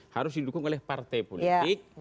harus didukung oleh partai politik